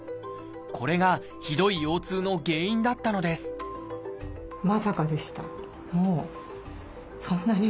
これがひどい腰痛の原因だったのですまさかでした。